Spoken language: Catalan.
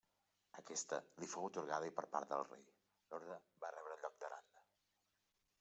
Aquesta li fou atorgada i per part del rei, l'orde va rebre el lloc d'Aranda.